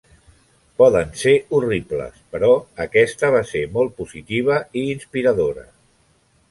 "Poden ser horribles, però aquesta va ser molt positiva i inspiradora."